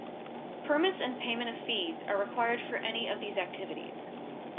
Permits and payment of fees are required for any of these activities.